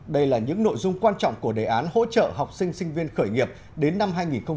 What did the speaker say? đây là những nội dung quan trọng của đề án hỗ trợ học sinh sinh viên khởi nghiệp đến năm hai nghìn hai mươi năm